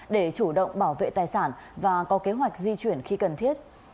để chủ động bảo vệ tài sản và có kế hoạch di chuyển khi cần thiết